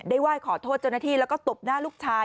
ได้ไหว้ขอโทษจนที่แล้วก็ตบหน้าลูกชาย